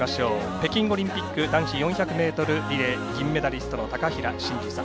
北京オリンピック男子４００ｍリレー銀メダリスト高平慎士さん。